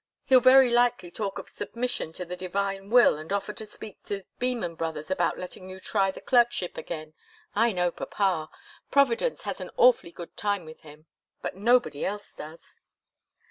He'll very likely talk of submission to the Divine will and offer to speak to Beman Brothers about letting you try the clerkship again. I know papa! Providence has an awfully good time with him but nobody else does."